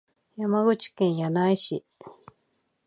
山口県柳井市